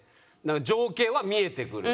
情景は見えてくる。